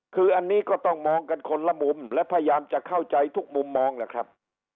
คืออันนี้ก็ต้องมองกันคนละมุมและพยายามจะเข้าใจทุกมุมมองแหละครับ